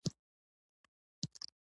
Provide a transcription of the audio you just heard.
_جار!